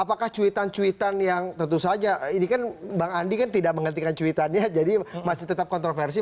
apakah cuitan cuitan yang tentu saja ini kan bang andi kan tidak menghentikan cuitannya jadi masih tetap kontroversi